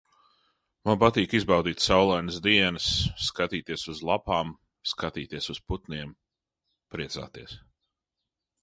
Man patīk izbaudīt saulainas dienas, skatīties uz lapām, skatīties uz putniem, priecāties.